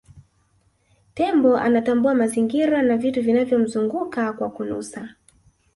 tembo anatambua mazingira na vitu vinavyomzunguka kwa kunusa